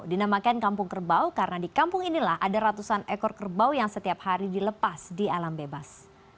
dinamakan kampung kerbau karena di kampung inilah ada ratusan ekor kerbau yang setiap hari dilepas di alam bebas